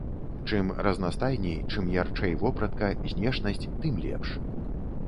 Чым разнастайней, чым ярчэй вопратка, знешнасць, тым лепш.